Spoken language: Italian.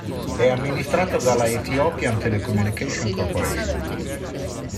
È amministrato dalla Ethiopian Telecommunications Corporation.